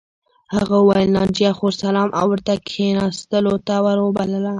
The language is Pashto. هغه وویل ناجیه خور سلام او ورته کښېناستلو ته ور وبلله